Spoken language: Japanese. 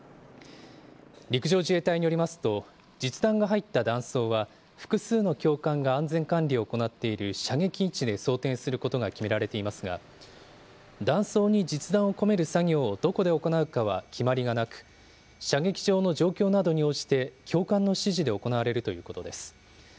陸上自衛隊によりますと、実弾が入った弾倉は、複数の教官が安全管理を行っている射撃位置で装填することが決められていますが、弾倉に実弾を込める作業をどこで行うかは決まりがなく、射撃場の状況などに応じて、教官の指示で行われるということです。